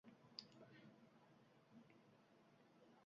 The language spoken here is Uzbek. Kartishkangiz aytib turibdi